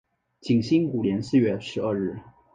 景兴五年四月十二日。